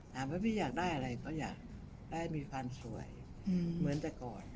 ถามว่าพี่อยากได้อะไรก็อยากได้มีความสวยเหมือนแต่ก่อน